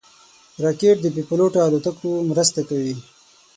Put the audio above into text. راکټ د بېپيلوټه الوتکو مرسته کوي